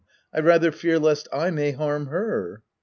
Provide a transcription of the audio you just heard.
I rather fear lest I may harm her.